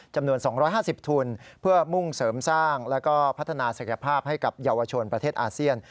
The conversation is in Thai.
จำนวน๒๕๐ทุนเพื่อมุ่งเสริมสร้างแล้วก็พัฒนาศักยภาพให้กับเยาวชนประเทศอาเซียน